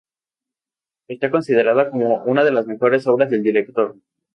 Esta considerada como una de las mejores obras del director.